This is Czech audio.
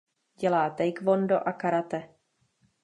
Dělá taekwondo a karate.